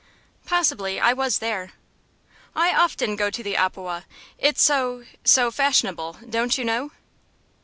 "Possibly. I was there." "I often go to the opewa. It's so so fashionable, don't you know?"